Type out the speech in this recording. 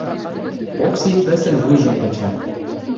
Окси пӹсӹн вуйжым кыча.